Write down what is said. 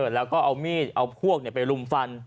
แล้วก็เอามีดเอาพวกไปรุมฟัน